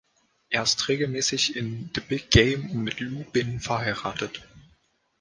Er ist regelmäßig in „The Big Game“ und mit Lu Binh verheiratet.